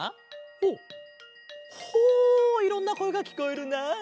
ほうほういろんなこえがきこえるな。